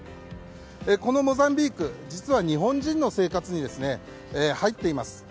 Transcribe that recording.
このモザンビーク、実は日本人の生活に入っています。